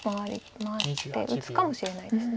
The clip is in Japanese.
回って打つかもしれないです。